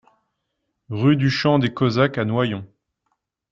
Rue du Champ des Cosaques à Noyon